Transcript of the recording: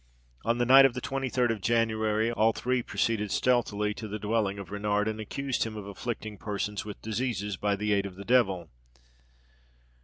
On the night of the 23d of January all three proceeded stealthily to the dwelling of Renard, and accused him of afflicting persons with diseases by the aid of the devil.